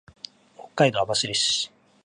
北海道網走市